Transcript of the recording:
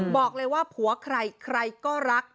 บอกเลยว่าผัวใครใครก็รัก